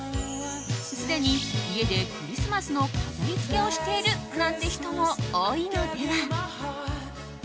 すでに家でクリスマスの飾りつけをしているなんて人も多いのでは？